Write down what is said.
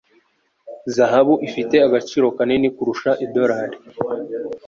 Zahabu ifite agaciro kanini kurusha idorari